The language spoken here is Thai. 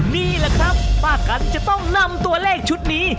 นี่แหละครับป้ากันจะต้องนำตัวเลขชุดนี้